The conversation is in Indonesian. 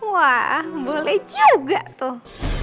wah boleh juga tuh